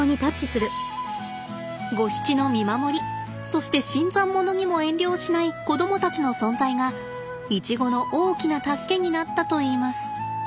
ゴヒチの見守りそして新参者にも遠慮をしない子供たちの存在がイチゴの大きな助けになったといいます。